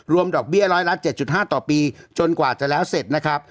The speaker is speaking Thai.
ดอกเบี้ยร้อยละ๗๕ต่อปีจนกว่าจะแล้วเสร็จนะครับ